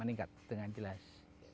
meningkat dengan jelas